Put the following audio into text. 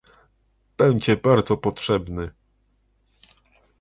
Będzie bardzo potrzebny